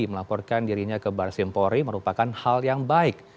melaporkan dirinya ke baris limpori merupakan hal yang baik